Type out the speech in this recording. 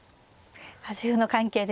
端歩の関係ですね。